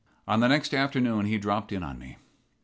On the next afternoon he dropped in on me.